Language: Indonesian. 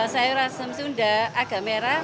sayur asam sunda agak merah